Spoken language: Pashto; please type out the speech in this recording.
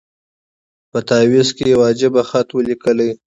په تعویذ کي یو عجب خط وو لیکلی